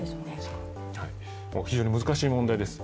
非常に難しい問題です。